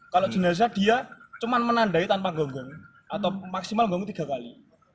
kalau jenazah dia cuma menandai tanpa gonggong atau maksimal gonggong tiga kali